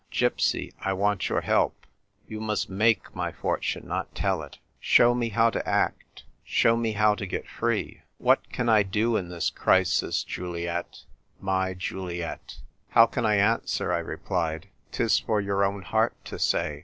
" Gypsy, I want your help. You must make my fortune, not tell it. Show me how to act. Show me how to get free. What can 1 do in this crisis, Juliet — my Juliet ?"" How can I answer ?" I replied. " Tis for your own heart to say.